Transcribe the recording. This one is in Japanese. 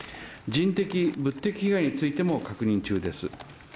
人的、物的被害についても確認中です。